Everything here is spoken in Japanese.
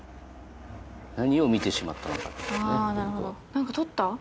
何か取った？